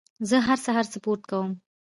زه هر سهار سپورت کوم.